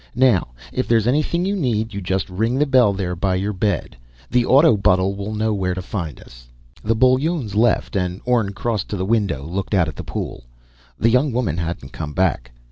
"Now, if there's anything you need you just ring the bell there by your bed. The autobutle will know where to find us." The Bullones left, and Orne crossed to the window, looked out at the pool. The young woman hadn't come back.